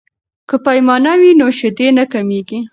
که پیمانه وي نو شیدې نه کمیږي.